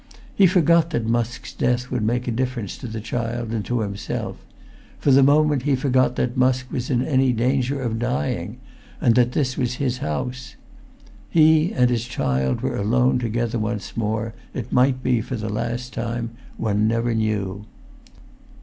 He forgot that Musk's death would make a difference to the child and to himself; for the moment he forgot that Musk was in any danger of dying, and that this was his house. He and his child were alone together once more, it might be for the last time, one never knew.